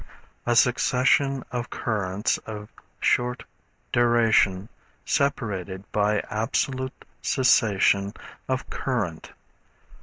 A succession of currents of short duration, separated by absolute cessation of current.